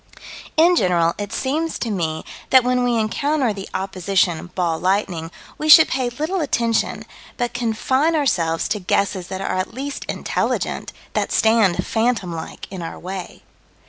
In general, it seems to me that when we encounter the opposition "ball lightning" we should pay little attention, but confine ourselves to guesses that are at least intelligent, that stand phantom like in our way.